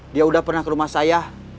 dia udah pernah ke rumah saya